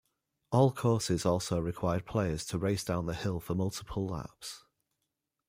All courses also required players to race down the hill for multiple laps.